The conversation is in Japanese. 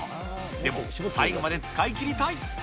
でも、最後まで使い切りたい。